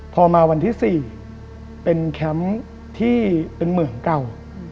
พอมาวันที่๔เป็นแคมป์ที่เป็นเหมืองเก่า